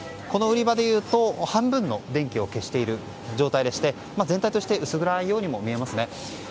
この売り場で言うと半分の電気を消している状態でして全体として薄暗いようにも見えます。